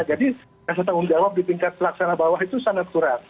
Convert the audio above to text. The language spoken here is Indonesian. jadi rasa tanggung jawab di tingkat pelaksanaan bawah itu sangat kurang